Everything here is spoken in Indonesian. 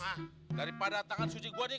nah daripada tangan suci gue nih